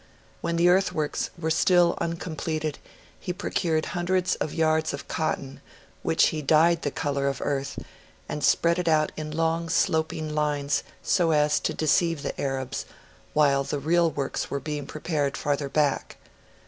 When the earthworks were still uncompleted he procured hundreds of yards of cotton, which he dyed the colour of earth, and spread out in long, sloping lines, so as to deceive the Arabs, while the real works were being prepared farther back.